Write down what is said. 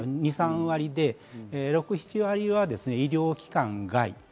２３割で、６７割は医療機関外。